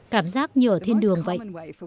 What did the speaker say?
cảm giác như ở thiên đường vậy